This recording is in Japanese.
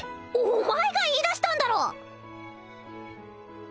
お前が言いだしたんだろ！